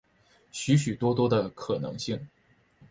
许许多多的可能性